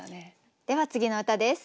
では次の歌です。